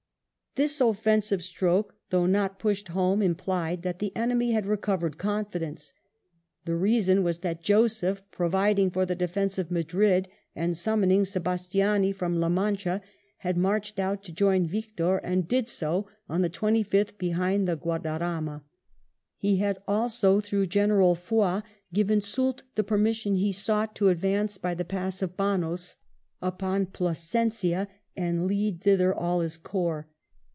This offensive stroke, though not pushed home, implied that the enemy had recovered confidence. The reason was that Joseph, providing for the defence of Madrid, and summoning Sebastiani from La Mancha, had marched out to join Victor, and did so on the 25th behind the Guadarama. He had also, through General Foy, given Soult the permission he sought to advance by the pass of Banos upon Plasencia, and lead thither all his corps.